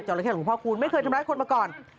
จอราแค่หลวงพ่อครูลไม่เคยทำลายคนมาก่อน